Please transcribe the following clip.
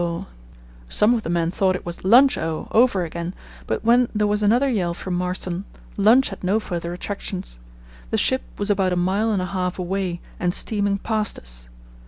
Some of the men thought it was 'Lunch O!' over again, but when there was another yell from Marston lunch had no further attractions. The ship was about a mile and a half away and steaming past us.